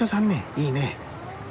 いいね。